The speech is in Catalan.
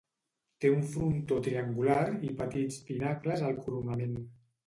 Té un frontó triangular i petits pinacles al coronament.